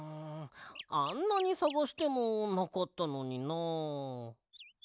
あんなにさがしてもなかったのにな。